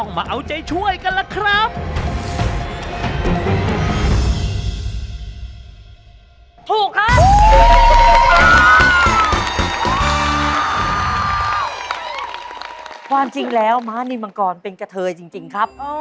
ความจริงแล้วม้านิมังกรเป็นกะเทยจริงครับ